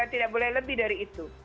tidak boleh lebih dari itu